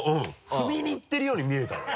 踏みにいってるように見えたのよ